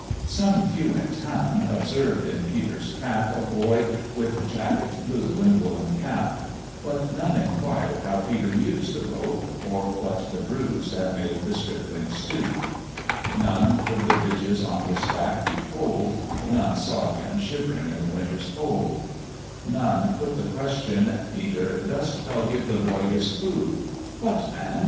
Some few in town observed in Peter's trap A boy, with jacket blue and woollen cap; But none inquired how Peter used the rope, Or what the bruise that made the stripling stoop; None could the ridges on his back behold, None sought him shiv'ring in the winter's cold; None put the question, "Peter, dost thou give The boy his food? What, man!